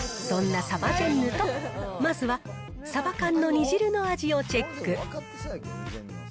そんなサバジェンヌとまずはサバ缶の煮汁の味をチェック。